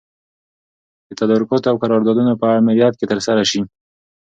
د تدارکاتو او قراردادونو په امریت کي ترسره سي.